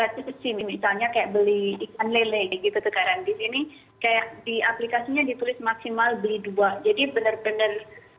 seperti misalnya kayak beli ikan lele gitu sekarang di sini kayak di aplikasinya ditulis maksimal beli dua jadi bener bener